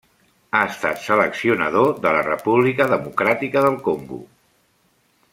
Ha estat seleccionador de la República Democràtica del Congo.